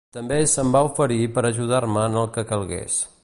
També se'm va oferir per ajudar-me en el que calgués.